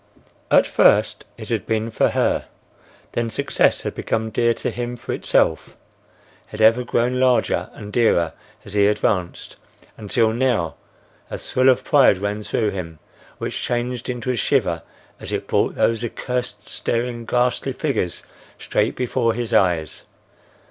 At first, it had been for her; then Success had become dear to him for itself, had ever grown larger and dearer as he advanced, until now—A thrill of pride ran through him, which changed into a shiver as it brought those accursed, staring, ghastly figures straight before his eyes.